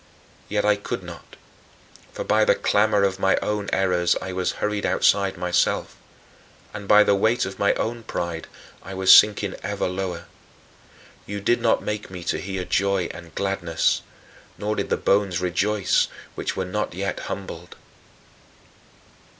" Yet I could not, for by the clamor of my own errors I was hurried outside myself, and by the weight of my own pride I was sinking ever lower. You did not "make me to hear joy and gladness," nor did the bones rejoice which were not yet humbled.